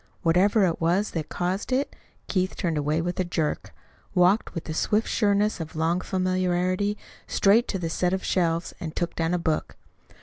Whatever it was that caused it, Keith turned away with a jerk, walked with the swift sureness of long familiarity straight to the set of shelves and took down a book.